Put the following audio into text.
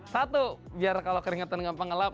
satu biar kalau keringetan gampang ngelap